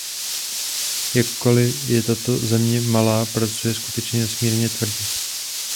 Jakkoli je tato země malá, pracuje skutečně nesmírně tvrdě.